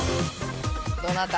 どなた？